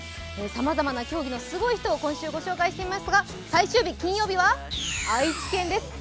さまざまな競技のすごい人を今週は中継していますが、最終日、金曜日は愛知県です。